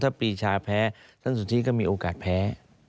ถ้าปีชาแพ้ท่านสุธิก็มีโอกาสแพ้